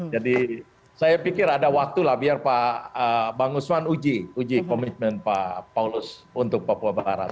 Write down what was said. jadi saya pikir ada waktulah biar pak bang usman uji komitmen pak paulus untuk papua barat